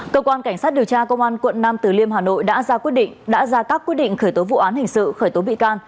cơ quan cảnh sát điều tra công an quận năm từ liêm hà nội đã ra các quyết định khởi tố vụ án hình sự khởi tố bị can